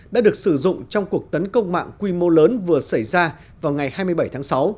đã được sử dụng trong cuộc tấn công mạng quy mô lớn vừa xảy ra vào ngày hai mươi bảy tháng sáu